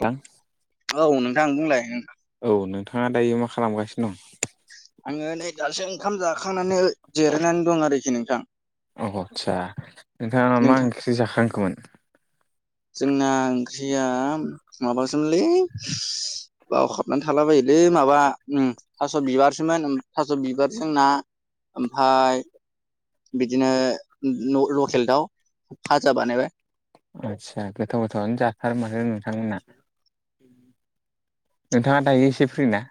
ब औ नोंथांं बुंलाय औ नोंथाङा दायो मा खालामगासिनो दं आङो नै दासो ओंखाम जाखांनानै जिरायनानै दं आरोखि नोंथां आस्सा नोंथाङा मा ओंख्रि जाखांखोमोन जोंना ओंख्रिया माबासोमलै बाव हाबनानै थाला बोलै माबा थास' बिबारसोमोन थास' बिबार जोंना ओमफ्राय बिदिनो लकेल दाउ फाजा बानायबाय आदसा गोथाव गोथावनो जाथारो माथो नोंथांमोनहा नोंथाङा दायो एसे फ्रि ना?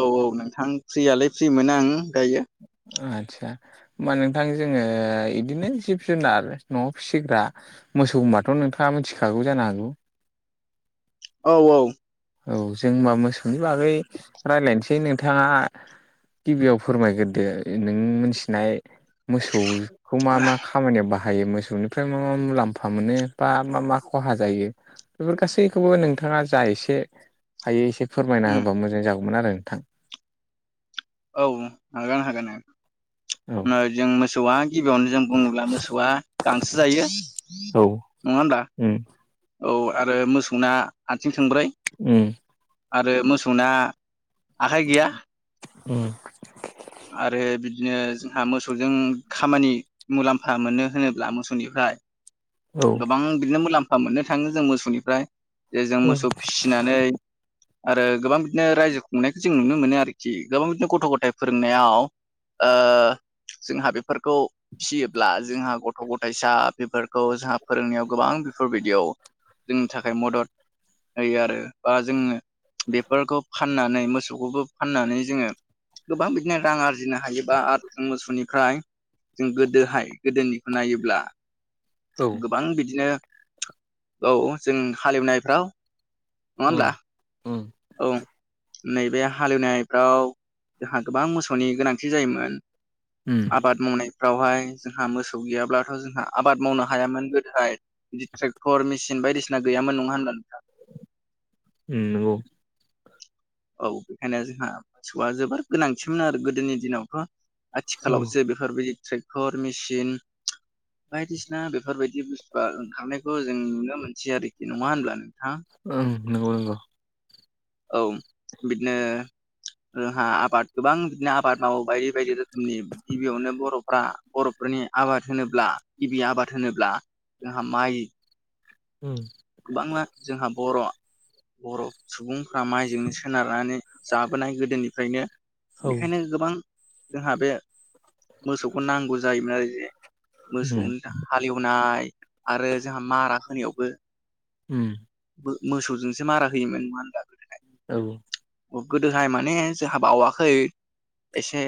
औ औ नोंथां फ्रियालाय फ्रि मोन आं दायो। आतसा। होमबा नोंथां जोङो बिदिनो जिब -जुनार आरो न'आव फिसिग्रा मोसौ होनबाथ' नोंथाङा मिथिखागौ जानो हागौ। औ जों होनबा मोसौनि बागै रायज्लायनोसै नोंथाङा गिबियाव फोरमायग्रोदो नों मोनथिनाय मोसौखौ मा- मा खामानियाव बाहाय बाहायो मोसौनिफ्राय मा मा मुलाम्फा मोनो बा मा मा खहा जायो बेफोर गासैखौबो नोंथाङा जा एसे हायो एसे फोरमायना होबा मोजां जागौमोन आरो नोंथां औ हागोन हागोन जों मोसौआ गिबियावनो जों बुङोब्ला मोसौआ गांसो जायो नङा होनदा औ आरो मोसौना आथिं थोंब्रै उम आरो मोसौना। औ। आरो बिदिनो जोंहा मोसौजों खामानि मुलाम्फा मोनो होनोब्ला मोसौनिफ्राय गोबां बिदिनो मुलाम्फा मोननो थाङो जों मोसौनिफ्राय जे जों मोसौ फिसि फिसिनानै आरो गोबां बिदिनो रायजो खुंनायखौ जों नुनो मोनो आरोखि गोबां बिदिनो गथ' - गथाय फोरोंनायाव ओ जोंहा बेफोरखौ फियोब्ला जोंहा गथ' गथायाइसा बेफोरखौ जोंहा फोरोंनायाव गोबां बेफोरबायदियाव जोंनि थाखाय मदद होयो आरो बा जोङो बेफोरखौ फाननानै मोसौखौबो फाननानै जोङो गोबां बिदिनो रां आरजिनो हायोबा आरो मोसौनिफ्राय जों गोदोहाय गोदोनिखौ नायोब्ला औ। गोबां बिदिनो औ जों हालेवनायफ्राव नङा होमब्ला औ नैबे हालेवनायफ्राव जोंहा गोबां मोसौनि गोनांथि जायोमोन। [inaudible] आबाद मावनायफ्रावहाय जोंहा मोसौ गैयाब्लाथ' जोंहा आबाद मावनो हायामोन गोदोहाय। बिदि ट्रेक्टर, मेसिन बायदिसिना गैयामोन नङा होनब्ला नोंथां? उम नंगौ। औ, बेखायनो जोंहा मोसौआ जोबोर गोनांथिमोन आरो गोदोनि दिनावथ' आथिखालावसो बेफोर बिदि ट्रेक्टर, मेसिन बायदिसिना बेफोरबायदि बुस्थुआ ओंखारनायखौ जों नुनो मोनसै आरोखि नङा होनब्ला नोंथां? ओं नंगौ नंगौ। औ बिदिनो जोंहा आबाद गोबां बिदिनो आबाद मावो बायदि - बायदि रोखोमनि गिबियावनो बर'फ्रा बर'फोरनि आबाद होनोब्ला गिबि आबाद होनोब्ला जोंहा माइ ओम। गोबांआ जोंहा बर' बर' सुबुंफ्रा माइजोंनो सोनारनानै जाबोनाय गोदोनिफ्रायनो। बेखायनो गोबां जोंहा बे मोसौखौ नांगौ जायोमोन आरो। जे मोसौ हालेवनाय आरो जोंहा मारा होनायावबो मोसौजोंसो मारा होयोमोन नङा होनबा गोदोहाय। गोदोहाय माने जोंहा बावाखै एसे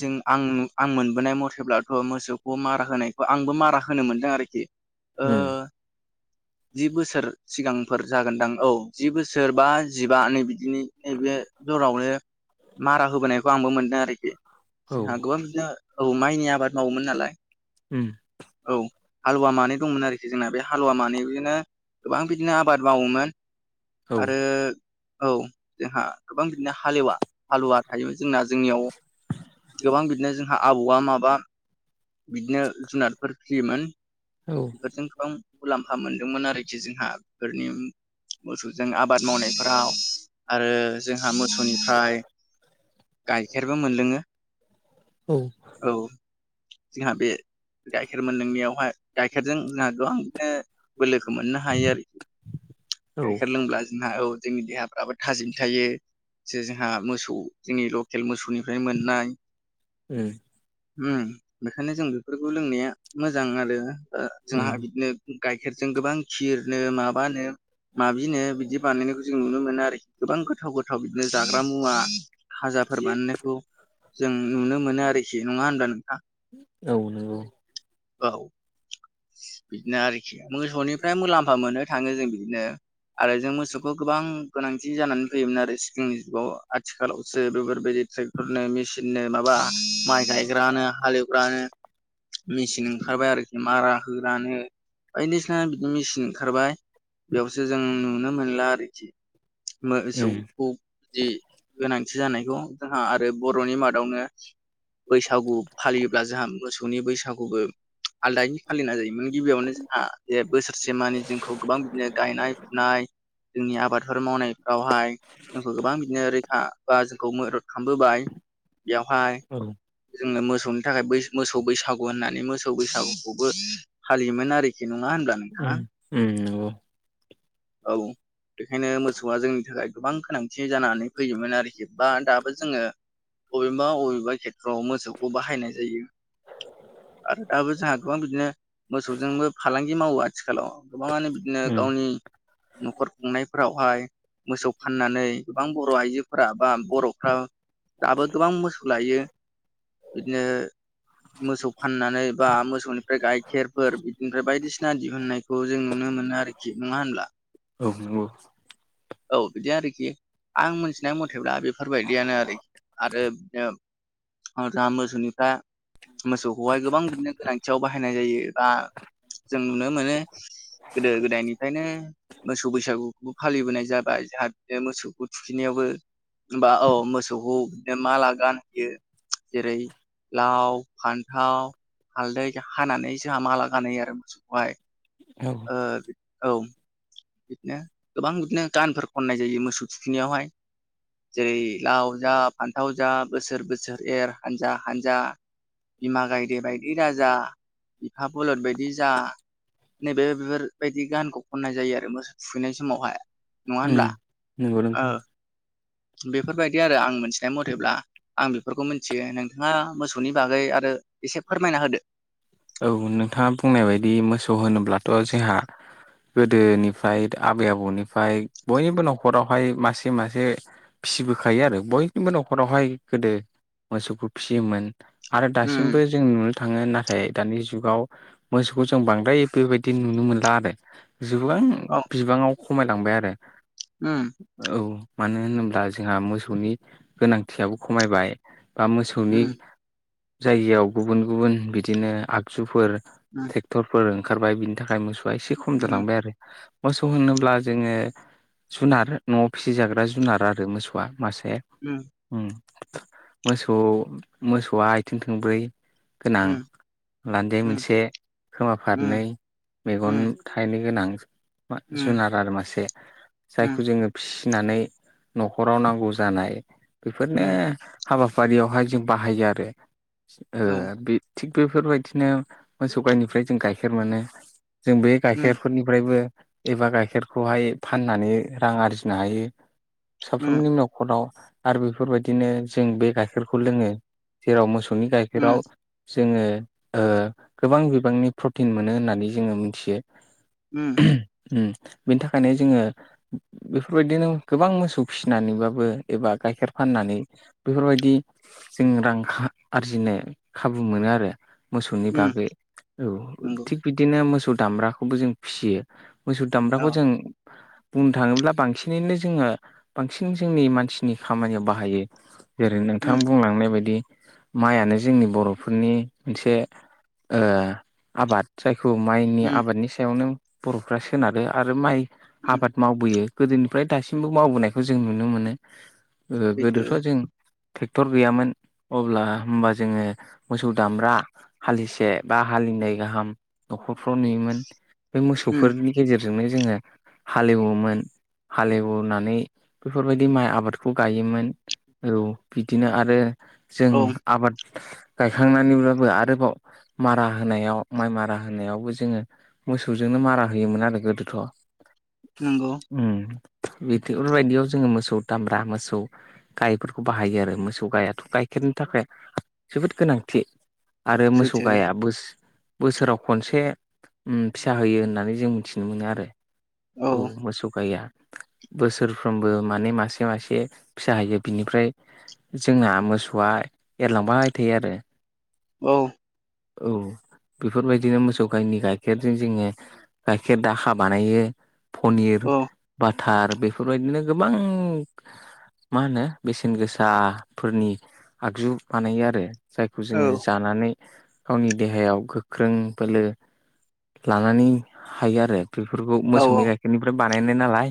जों आं- आं मोनबोनाय मथेब्लाथ' मोसौखौ मारा होनायखौ आंबो मारा होनो मोनदों आरोखि। ओम। जि बोसोर सिगांफोर जागोनदां औ जि बोसोर बा जिबा नै बिदिनि नैबे जरावनो मारा होबोनायखौ आंबो मोनदों आरोखि। जोंहा गोबां बिदिनो औ माइनि आबाद मावोमोन नालाय औ हालुवा मानै दंमोन आरोखि जोंना बे हालुवा मानै बिदिनो गोबां बिदिनो आबाद मावोमोन आरो औ जोंहा गोबां बिदिनो हालेवा हालुवा थायोमोन जोंना जोंनियाव गोबां बिदिनो जोंहा आबौआ माबा बिदिनो जुनारफोर फिसियोमोन। बेफोरजों गोबां मुलाम्फा मोनदोंमोन आरोखि जोंहा बेफोरनि मोसौजों आबाद मावनायफोराव आरो जोंहा मोसौनिफ्राय गाइखेरबो मोनलोङो। औ। जोंहा बे गाइखेर मोनलोंनायावहाय गाइखेरजों जोंहा गोबां बिदिनो बोलोखौ मोननो हायो आरोखि गाइखेर लोंब्ला जोंहा औ जोंनि देहाफ्राबो थाजिम थायो जे जोंहा मोसौ जोंनि लकेल मोसौनिफ्राय मोननाय ओम उम। बेखायनो जों बेफोरखौ लोंनाया मोजां आरो ओ जोंहा बिदिनो गाइखेरजों गोबां खिरनो माबानो माबिनो बिदि बानायनायखौ जों नुनो मोनो आरोखि गोबां गोथाव गोथाव बिदिनो जाग्रा मुवा। हाजाफोर बानायनायखौ जों नुनो मोनो आरोखि नङा होनबा नोंथां। औ नोंगौ। औ बिदिनो आरोखि मोसौनिफ्राय मुलाम्फा मोननो थाङो जों बिदिनो आरो जों मोसौखौ गोबां गोनांथि जानानै फैयोमोन आरो सिगांनि जुगाव आथिखालावसो बेफोरबायदि ट्रे नो मेचिन नो माबा माइ गायग्रानो हालेवग्रा नो मेचिन ओंखारबाय आरोखि मारा होग्रानो बायदिसिना बिदिनो मेसिन ओंखारबाय बेयावसो जों नुनो मोनला आरोखि मोसौखौ बिदि गोनांथि जानायखौ जोंहा आरो बर'नि मादावनो बैसागु फालियो। अब्ला जोंहा मोसौनि बैसागुबो। आलदायै फालिना जायोमोन गिबियावनो जोंहा बे बोसोरसेमानि जोंखौ गोबां बिदिनो गायनाय फुनाय। जोंनि आबादफोर मावनायफ्रावहाय जोंखौ गोबां बिदिनो रैखा बा जोंखौ मदद खालामबोबाय बेयावहाय। औ जोङो मोसौनि थाखाय मोसौ बैसागु होननानै मोसौ बैसागुखौबो फालियोमोन आरोखि नङा होनबा नोंथां। औ बेखायनो मोसौआ जोंनि थाखाय गोबां गोनांथि जानानै फैयोमोन आरोखि। बा दाबो जोङो बबेबा बबेबा खेथ्रआव मोसौखौ बाहायनाय जायो आरो दाबो जोंहा गोबां बिदिनो मोसौजोंबो फालांगि मावो आथिखालाव गोबाङानो बिदिनो गावनि न'खर खुंनायफोरावहाय मोसौ फाननानै गोबां बर' आइजो फोरा बा बर'फ्रा दाबो गोबां मोसौ लायो बिदिनो। मोसौ फाननानै बा मोसौनिफ्राय गायखेरफोर बिदिनिफ्राय बायदिसिना दिहुननायखौ जों नुनो मोनो आरो नङा होनब्ला। औ नंगौ। औ बिदि आरोखि आं मिथिनाय मथेब्ला बेफोरबायदियानो आरोखि। आरो बिदिनो जा मोसौनिफ्राय मोसौखौहाय गोबां बिदिनो गोनांथियाव बाहायनाय जायो बा जों नुनो मोनो। गोदो गोदायनिफ्रायनो मोसौ बैसागुखौबो फालिबोनाय जाबाय जाहाथे मोसौ थुखिनायावबो होमबा औ मोसौखौ बिदिनो माला गानहोयो जेरै लाव, फान्थाव, हालदै हानानै जोंहा माला गानहोयो आरो मोसौखौहाय औ बिदिनो गोबां बिदिनो गानफोर खननाय जायो मोसौ थुखैनायावहाय जेरै- लाव जा फान्थाव जा बोसोर बोसोर एर हानजा हानजा बिमा गायदे बायदि राजा बिफा बलद बायदि जा नैबे बेफोरबायदि गानखौ खननाय जायो आरो मोसौ थुखैनाय समावहाय नङा होनब्ला? ओ बेफोरबायदि आरो आं मिथिनाय मथेब्ला आं बेफोरखौ मिथियो नोंथाङा मोसौनि बागै आरो एसे फोरमायना होदो। औ नोंथाङा बुंनाय बायदि मोसौ होनोब्लाथ' जोंहा गोदोनिफ्राय आबै आबौनिफ्राय बयनिबो न'खरावहाय मासे मासे फिबोखायो आरो बयनिबो न'खरावहाय गोदो मोसौखौ फियोमोन। आरो दासिमबो जों नुनो थाङो नाथाय दानि जुगाव मोसौखौ जों बांद्राय बेबायदि नुनो मोनला आरो। गोबां बिबाङाव खमायलांबाय आरो औ मानो होनोब्ला जोंहा मोसौनि गोनांथियाबो खमायबाय बा मोसौनि जायगायाव गुबुन गुबुन बिदिनो आगजुफोर उम ट्रेक्टरफोर ओंखारबाय बिनि थाखाय मोसौआ एसे खम जालांबाय आरो। मोसौ होनोब्ला जोङो जुनार न'आव फिसिजाग्रा जुनार आरो मोसौ आ मासे उम मोसौ मोसौआ आथिं थोंब्रै गोनां, लान्जे मोनसे, खोमाफारनै, मेगन थायनै गोनां जुनार आरो मासे जायखौ जोङो फिसिनानै न'खराव नांगौ जानाय बेफोरनो हाबाफारियावहाय जों बाहायो आरो ओ बे थिग बेफोरबायदिनो मोसौ गाइनिफ्राय जों गाइखेर मोनो। जों बे गाइखेरफोरनिफ्रायबो एबा गाइखेरखौहाय फाननानै रां आरजिनो हायो। साफ्रोमनि न'खराव आरो बेफोरबायदिनो जों बे गाइखेरखौ लोङो। जेराव मोसौनि गाइखेराव जोङो ओ गोबां बिबांनि प्रटिन मोनो होननानै जोङो मिनथियो। उम उम बेनि थाखायनो जोङो बेफोरबायदिनो गोबां मोसौ फिसिनानैबाबो एबा गाइखेर फाननानै बेफोरबायदि जोङो रां आरजिनो खाबु मोनो आरो। मोसौनि बागै औ थिग बिदिनो मोसौ दामब्राखौबो जों फिसियो। मोसौ दामब्राखौ जों बुंनो थाङोब्ला बांसिनैनो जोङो बांसिन जोंनि मानसिनि खामानियाव बाहायो जेरै नोंथां बुंलांनाय बायदि माइआनो जोंनि बर'फोरनि मोनसे ओ आबाद जायखौ माइनि आबादनि सायावनो बर'फ्रा सोनारो आरो माइ आबाद मावबोयो। गोदोनिफ्राय दासिमबो मावबोनायखौ जों नुनो मोनो। गोदोथ' जों टेक्टर गैयामोन अब्ला होमबा जोङो मोसौ दामब्रा हालिसे बा हालिनै गाहाम न'खरफ्राव नुयोमोन‌ बे मोसौफोरनि गेजेरजोंनो जोङो हालेवोमोन हालेवनानै बेफोरबायदि माइ आबादखौ गायोमोन औ बिदिनो आरो जों आबाद गायखांनानैब्लाबो आरोबाव मारा होनायाव माइ मारा होनायावबो जोङो मोसौजोंनो मारा होयोमोन आरो गोदोथ' नैंगौ। उम बिदिफोरबायदियाव जोङो मोसौ दामब्रा मोसौ गायफोरखौ बाहायो आरो मोसौ गायथ' गाइखेरनि थाखाय जोबोद गोनांथि आरो मोसौ गाया बो सोराव खनसे फिसा होयो होननानै जों मिथिनो मोनो आरो। औ मोसौ गया बोसोरफ्रोमबो माने मासे मासे फिसा होयो बिनिफ्राय जोंना मोसौआ एरलांबाय थायो आरो औ औ बेफोरबायदिनो मोसौ गाइनि गाइखेरजों जोङो गाइखेर दाखा बानायो, पनिर, बाटार बेफोरबायदिनो गोबां मा होनो बेसेन गोसाफोरनि आगजु बानायो आरो जायखौ जोङो जानानै गावनि देहायाव गोख्रों बोलो लानानै हायो आरो। बेफोरखौ मोसौनि गाइखेरनिफ्राय बानायनाय नालाय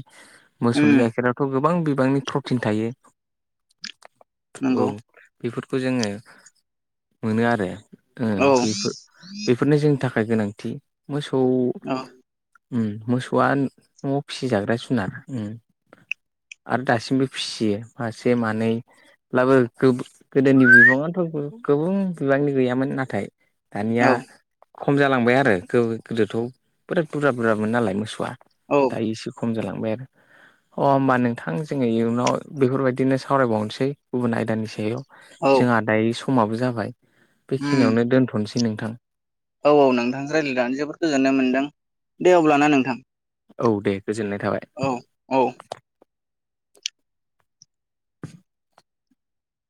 मोसौनि गाइखेरा थ' गोबां बिबांनि प्रटिन थायो। औ। बेफोरखौ जोङो मोनो आरो ओ बेफोर बेफोरनो जोंनि थाखाय गोनांथि मोसौ औ उम मोसौआ न'आव फिसिजाग्रा जुना ओम आरो दासिमबो फिसियो मासे मानै ब्लाबो गो-गोदोनि बिबाङावथ' गोबुं बिबांनि गैयामोन नाथाय दानिया खम जालांबाय आरो गो-गोदोथ' बिराद बुरजा बुरजामोन नालाय मोसौआ दायो इसे खम जालांबाय आरो। अ होमबा नोंथां जोङो इयुनाव बेफोरबायदिनो सावरायबावनोसै गुबुन आयदानि सायाव जोंहा दायो समाबो जाबाय बेखिनियावनो दोनथ'सै नोंथां। औ औ नोंथांजों रायज्लायनानै जोबोद गोजोननाय मोन्दों औ दे गोजोननाय थाबाय। औ औ